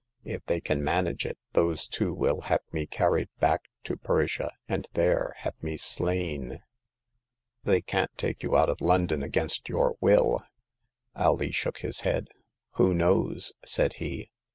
If they can manage it, those two will have me carried back to Persia, and there have me slain." "They can't take you out of London against jour will" 262 Hagar of the Pawn Shop. Alee shook his head. Who knows !" said he.